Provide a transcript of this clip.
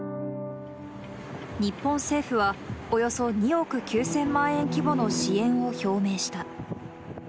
日本政府はおよそ２億９０００万円規模の支援を表明した。